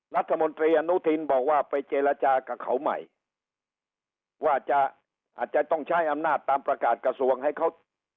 รัฐมนตรีอนุทินบอกว่าไปเจรจากับเขาใหม่ว่าจะอาจจะต้องใช้อำนาจตามประกาศกระทรวงให้เขา